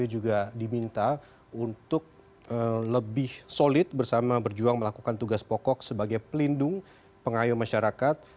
juga diminta untuk lebih solid bersama berjuang melakukan tugas pokok sebagai pelindung pengayo masyarakat